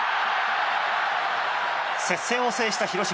接戦を制した広島。